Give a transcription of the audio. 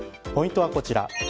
ポイントはこちら。